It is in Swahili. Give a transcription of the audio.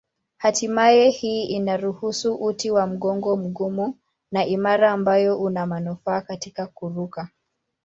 Hatimaye hii inaruhusu uti wa mgongo mgumu na imara ambayo una manufaa katika kuruka.